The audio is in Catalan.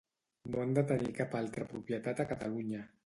No han de tenir cap altra propietat a Catalunya.